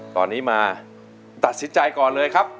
ตอนนี้มาตัดสินใจก่อนเลยครับ